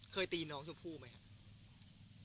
เคยตีน้องชมพู่ไหมครับ